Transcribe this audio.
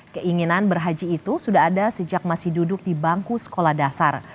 keinginan berhaji itu sudah ada sejak masih duduk di bangku sekolah dasar